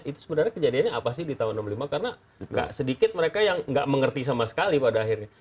itu sebenarnya kejadiannya apa sih di tahun seribu sembilan ratus enam puluh lima karena sedikit mereka yang nggak mengerti sama sekali pada akhirnya